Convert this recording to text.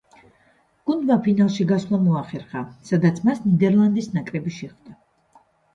გუნდმა ფინალში გასვლა მოახერხა, სადაც მას ნიდერლანდის ნაკრები შეხვდა.